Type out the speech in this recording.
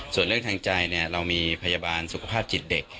ส่วนเรื่องทางใจเรามีพยาบาลสุขภาพจิตเด็ก